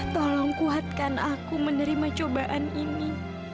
tolong kuatkan aku menerima cobaan ini